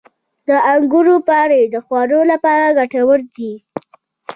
• د انګورو پاڼې د خوړو لپاره ګټور دي.